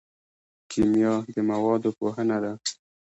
کیمیا د موادو پوهنه ده